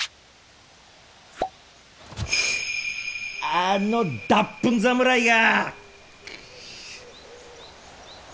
あの脱糞侍が！